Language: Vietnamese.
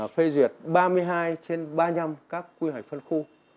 phê duyệt ba mươi hai trên ba mươi năm các quy hoạch phân khu